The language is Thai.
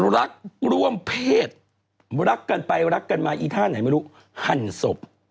รักร่วมเพศรักกันไปรักกันมาอีท่าไหนไม่รู้หั่นศพ